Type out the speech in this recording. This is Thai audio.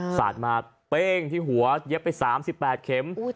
สาดมาเป้งที่หัวเย็บไป๓๘เข็ม